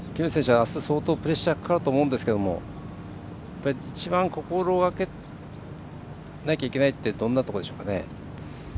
あすプレッシャーかかると思うんですが一番、心がけなきゃいけないってどんなとこでしょうかね。